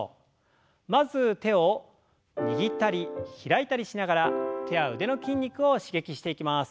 まず手を握ったり開いたりしながら手や腕の筋肉を刺激していきます。